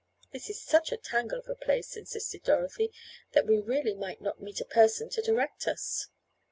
"This is such a tangle of a place," insisted Dorothy, "and we really might not meet a person to direct us."